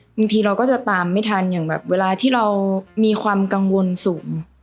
บางทีเราก็จะตามไม่ทันอย่างแบบเวลาที่เรามีความกังวลสูง